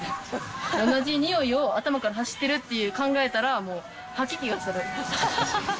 同じにおいを頭から発してるって考えたら、もう吐き気がする。